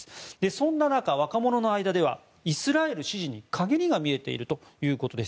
そんな中、若者の間ではイスラエル支持に陰りが見えているということです。